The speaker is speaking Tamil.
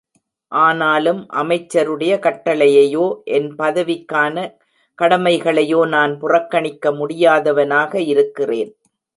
ஆனாலும் அமைச்சருடைய கட்டளையையோ என் பதவிக்கான கடமைகளையோ நான் புறக்கணிக்க முடியாதவனாக இருக்கிறேன்.